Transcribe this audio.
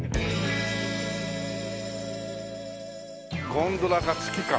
ゴンドラか月か。